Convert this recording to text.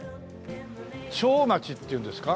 「長町」っていうんですか？